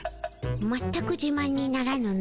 まったくじまんにならぬの。